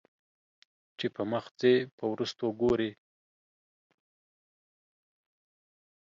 چې پۀ مخ ځې په وروستو ګورې